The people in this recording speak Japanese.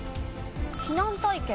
避難体験？